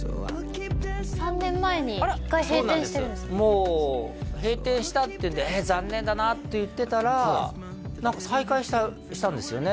もう閉店したっていうんで残念だなと言ってたら何か再開したんですよね